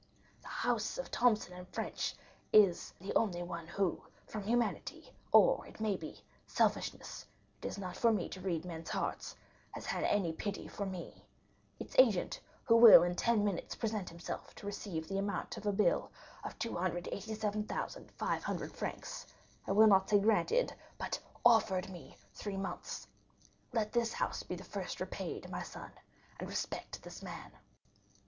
"The house of Thomson & French is the only one who, from humanity, or, it may be, selfishness—it is not for me to read men's hearts—has had any pity for me. Its agent, who will in ten minutes present himself to receive the amount of a bill of 287,500 francs, I will not say granted, but offered me three months. Let this house be the first repaid, my son, and respect this man."